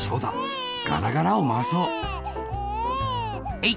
えい！